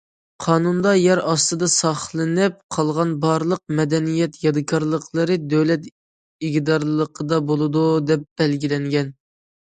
قانۇندا يەر ئاستىدا ساقلىنىپ قالغان بارلىق مەدەنىيەت يادىكارلىقلىرى دۆلەت ئىگىدارلىقىدا بولىدۇ، دەپ بەلگىلەنگەن.